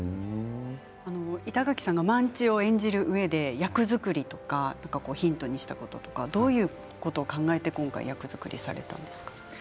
板垣さんが万千代を演じるうえで役作りとかヒントにしたこととかどういうことを考えて今回、役作りをされたんですか。